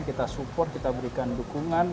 kita support kita berikan dukungan